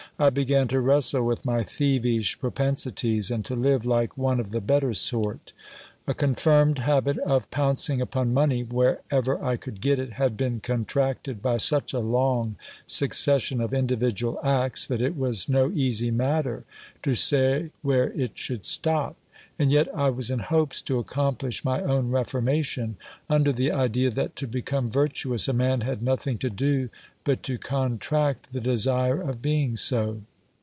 I began to wrestle with my thievish propensities, and to live like one of the better sort. A confirmed habit of pouncing upon money wherever I could get it, had been contracted by such a long succession of individual acts, that it was no easy matter to say where it should stop. And yet I was in hopes to accomplish my own reformation, under the idea that to become virtuous a man had nothing to do but to contract the desire of being so.